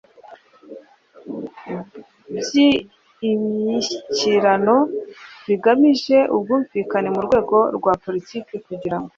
By imishyikirano bigamije ubwumvikane mu rwego rwa poritiki kugira